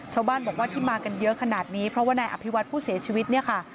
ชาวบ้านบอกว่าที่มากันเยอะขนาดนี้เพราะว่านายอภิวัตรผู้เสียชีวิตเนี่ยค่ะ